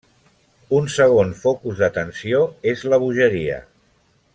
Un segon focus d'atenció és la bogeria.